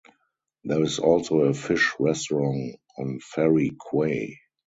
There is also a fish restaurant on Ferry Quay.